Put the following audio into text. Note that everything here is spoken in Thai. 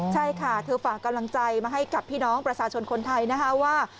ใช่ค่ะเธอฝากกำลังใจมาให้กับพี่น้องประชาชนคนไทยนะคะว่า